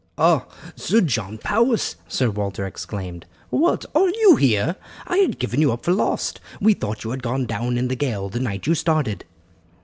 "Ah! Sir John Powis," Sir Walter exclaimed, "what, are you here? I had given you up for lost. We thought you had gone down in the gale the night you started."